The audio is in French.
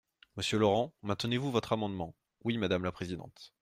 Monsieur Laurent, maintenez-vous votre amendement ? Oui, madame la présidente.